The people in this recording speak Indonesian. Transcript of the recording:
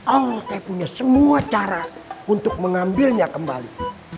allah saya punya semua cara untuk mengambilnya kembali